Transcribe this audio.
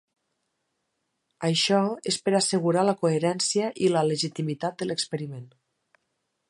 Això és per assegurar la coherència i la legitimitat de l'experiment.